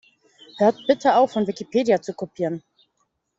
Hört bitte auf, von Wikipedia zu kopieren!